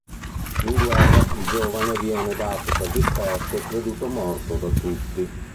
In guerra, il giovane viene dato per disperso e creduto morto da tutti.